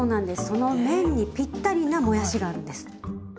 その麺にぴったりなもやしがあるんです。